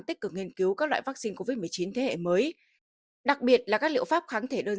tích cực nghiên cứu các loại vaccine covid một mươi chín thế hệ mới đặc biệt là các liệu pháp kháng thể đơn